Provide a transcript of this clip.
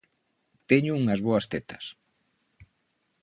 Teño unhas boas tetas.